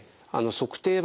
足底板？